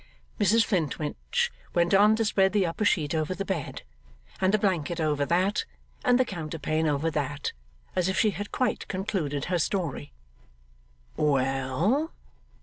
Mrs Flintwinch went on to spread the upper sheet over the bed, and the blanket over that, and the counterpane over that, as if she had quite concluded her story. 'Well?